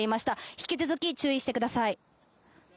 引き続き注意してください。